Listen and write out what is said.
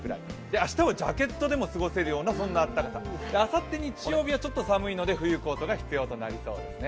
明日はジャケットでも過ごせるような、そんな暖かさ、あさって日曜日はちょっと寒いので冬コートが必要となりそうですね。